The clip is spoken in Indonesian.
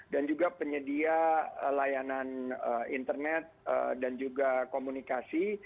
dan juga penyedia layanan internet dan juga komunikasi